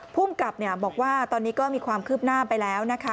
ภูมิกับบอกว่าตอนนี้ก็มีความคืบหน้าไปแล้วนะคะ